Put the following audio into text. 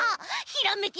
「ひらめき」